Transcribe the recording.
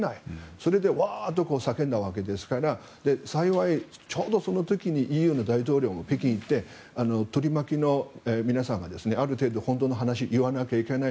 それでワーッと叫んだわけですから幸い、ちょうどその時にＥＵの大統領も北京にいて取り巻きの皆さんがある程度、本当の話を言わないといけない。